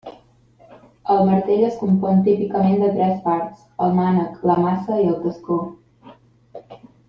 El martell es compon típicament de tres parts: el mànec, la maça i el tascó.